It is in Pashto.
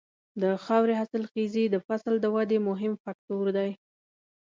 د خاورې حاصلخېزي د فصل د ودې مهم فکتور دی.